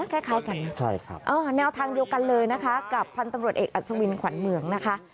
คล้ายกันนะแนวทางเดียวกันเลยนะคะกับพันธุ์ตำรวจเอกอัศวินขวัญเมืองนะคะ